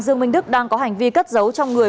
dương minh đức đang có hành vi cất giấu trong người